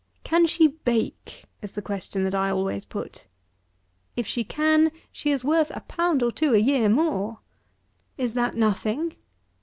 "Can she bake?" is the question that I always put. If she can, she is worth a pound or two a year more. Is that nothing?